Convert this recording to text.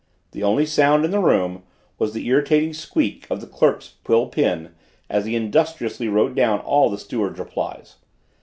The only sound in the room was the irritating squeak of the clerk's quill pen, as he industriously wrote down all the steward's replies.